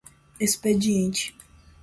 expediente